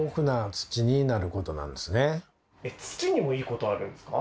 土にもいいことあるんですか？